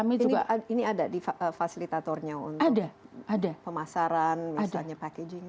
ini ada di fasilitatornya untuk pemasaran misalnya packaging